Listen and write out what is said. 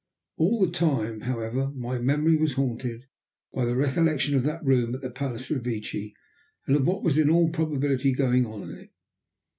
All the time, however, my memory was haunted by the recollection of that room at the Palace Revecce, and of what was in all probability going on in it.